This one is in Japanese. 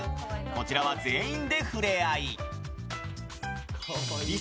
こちらは全員で触れ合い。